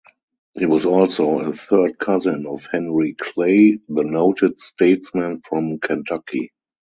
He was also a third cousin of Henry Clay, the noted statesman from Kentucky.